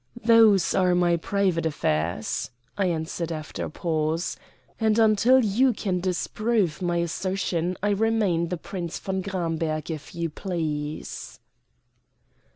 "Those are my private affairs," I answered after a pause; "and until you can disprove my assertion I remain the Prince von Gramberg, if you please."